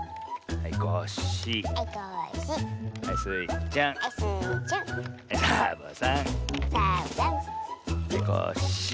はいコッシー。